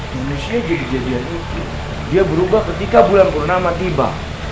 manusia jadi jadian itu dia berubah ketika bulan purnama tiba